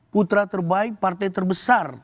putra terbaik partai terbesar